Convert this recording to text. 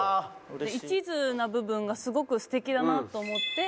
一途な部分がすごく素敵だなと思って。